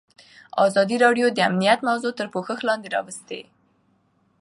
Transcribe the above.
ازادي راډیو د امنیت موضوع تر پوښښ لاندې راوستې.